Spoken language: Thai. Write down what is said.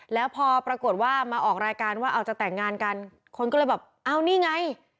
แล้วพอปรากฏว่ามาออกรายการว่าเอาจะแต่งงานกันคนก็เลยแบบอ้าวนี่ไง